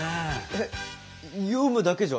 えっ読むだけじゃ！？